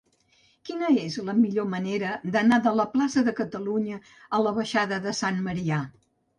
Quina és la millor manera d'anar de la plaça de Catalunya a la baixada de Sant Marià?